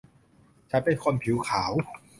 ฉันเป็นคนผิวขาว